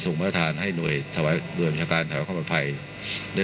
ทรงมีลายพระราชกระแสรับสู่ภาคใต้